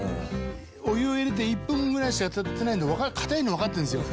お湯を入れて１分ぐらいしか経ってないんで硬いのわかってるんですよ。